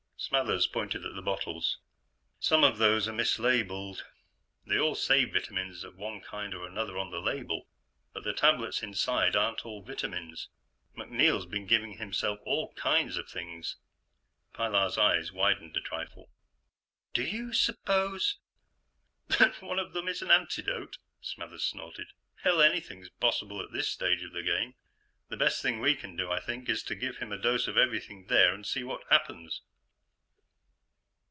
Smathers pointed at the bottles. "Some of those are mislabeled. They all say vitamins of one kind or another on the label, but the tablets inside aren't all vitamins. MacNeil's been giving himself all kinds of things." Pilar's eyes widened a trifle. "Do you suppose " "That one of them is an antidote?" Smathers snorted. "Hell, anything's possible at this stage of the game. The best thing we can do, I think, is give him a dose of everything there, and see what happens."